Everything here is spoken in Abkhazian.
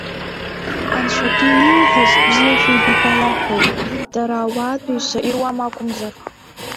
Анцәа ду ииҳәаз бзиа шәеибабала ҳәоуп, дара ауаатәҩса ируам акәымзар.